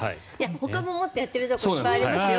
ほかももっとやっているところありますよ。